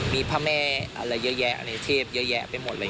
มีพระแม่เทพเยอะแยะไปหมด